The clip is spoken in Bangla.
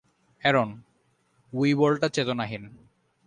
অ্যারন, উইবলটা চেতনাহীন।